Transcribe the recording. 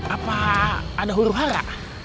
apa ada huru hara